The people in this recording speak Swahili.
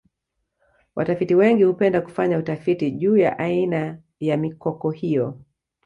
watafiti wengi hupenda kufanya utafiti juu ya aina ya mikoko hiyo